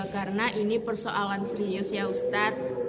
karena ini persoalan serius ya ustadz